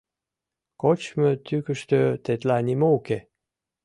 Кочмо тӱкыштӧ тетла нимо уке.